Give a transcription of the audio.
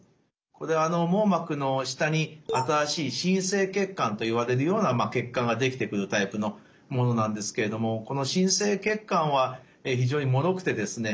これ網膜の下に新しい新生血管といわれるような血管ができてくるタイプのものなんですけれどもこの新生血管は非常にもろくてですね